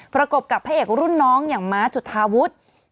ประกบกับพระเอกรุ่นน้องอย่างม้าจุธาวุฒิ